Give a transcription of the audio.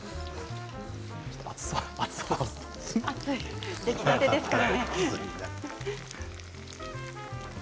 熱そうですね。